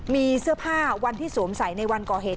มีเสื้อผ้าวันที่สวมใส่ในวันก่อเหตุ